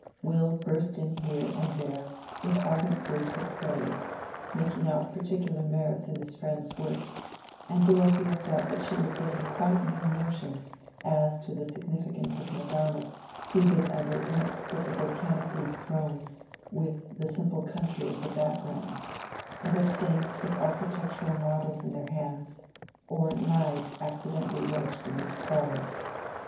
Will burst in here and there with ardent words of praise, marking out particular merits in his friend's work; and Dorothea felt that she was getting quite new notions as to the significance of Madonnas seated under inexplicable canopied thrones with the simple country as a background, and of saints with architectural models in their hands, or knives accidentally wedged in their skulls.